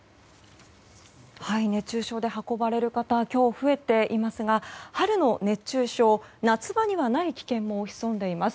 熱中症で運ばれる方今日増えていますが春の熱中症、夏場にはない危険も潜んでいます。